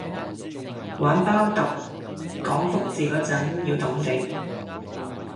玩包揼講福字果陣要揼地